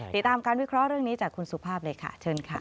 ติดตามการวิเคราะห์เรื่องนี้จากคุณสุภาพเลยค่ะเชิญค่ะ